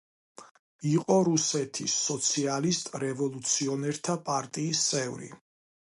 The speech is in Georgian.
იყო რუსეთის სოციალისტ-რევოლუციონერთა პარტიის წევრი.